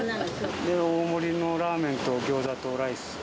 大盛りのラーメンとギョーザとライス。